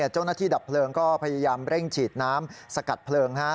เจ้าหน้าที่ดับเพลิงก็พยายามเร่งฉีดน้ำสกัดเพลิง